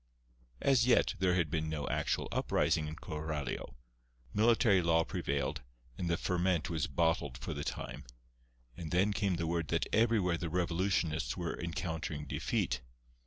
As yet there had been no actual uprising in Coralio. Military law prevailed, and the ferment was bottled for the time. And then came the word that everywhere the revolutionists were encountering defeat.